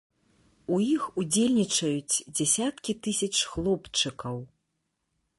У іх удзельнічаюць дзясяткі тысяч хлопчыкаў.